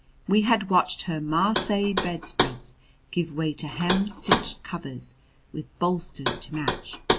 We had watched her Marseilles bedspreads give way to hem stitched covers, with bolsters to match.